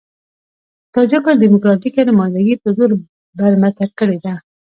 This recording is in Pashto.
د تاجکو ډيموکراتيکه نمايندګي په زور برمته کړې ده.